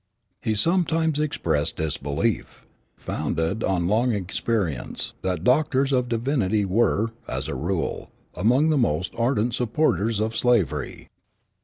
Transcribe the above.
He sometimes expressed the belief, founded on long experience, that doctors of divinity were, as a rule, among the most ardent supporters of slavery.